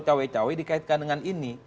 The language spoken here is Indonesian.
jokowi jokowi dikaitkan dengan ini